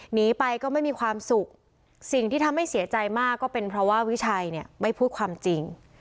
หนีไปก็ไม่มีความสุขสิ่งที่ทำให้เสียใจมากก็เป็นเพราะว่าวิชัยเนี่ยไม่พูดความจริง